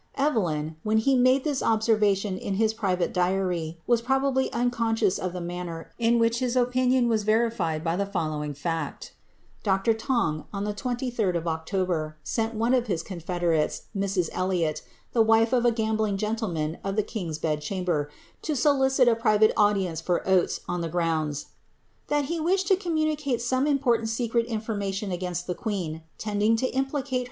Evelyn, when he made this observation in his pn vate diary, was probably unconscious of the manner in which his ofN nion was verified by the following fact. Dr. Tong, on the 23d of October, sent one of his confederates, Mrs. Elliot, the wife of a gambliaf gentleman of the king's bed chamber, to solicit a private audience i<v Oates, on the grounds, ^^ that he wished to communicate some imporltft secret information against the queen, tending to implicate her in the 'MS.